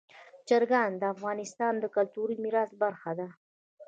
چرګان د افغانستان د کلتوري میراث برخه ده.